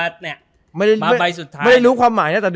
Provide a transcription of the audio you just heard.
เจอมัตลิต